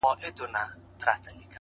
شپه په خندا ده سهار حیران دی